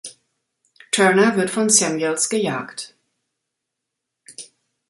Turner wird von Samuels gejagt.